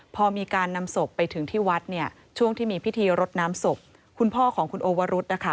พอมีการนำศพไปถึงที่วัดเนี่ยช่วงที่มีพิธีรดน้ำศพคุณพ่อของคุณโอวรุธนะคะ